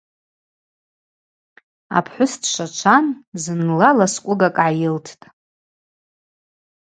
Апхӏвыс дшвачван зынла ласкӏвыгакӏ гӏайылттӏ.